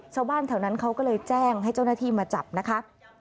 ชาวบ้านแถวนั้นเขาก็เลยแจ้งให้เจ้าหน้าที่มาจับนะคะ